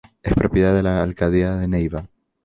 Es propiedad de la alcaldía de Neiva.